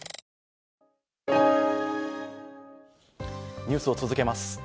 ニュースを続けます。